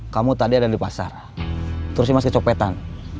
kamu tadi ada di pasar terus cuma kecopetan